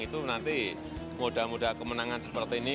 itu nanti mudah mudah kemenangan seperti ini